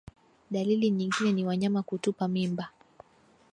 Dalili nyingine ni wanyama kutupa mimba